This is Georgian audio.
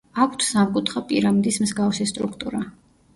აქვთ სამკუთხა პირამიდის მსგავსი სტრუქტურა.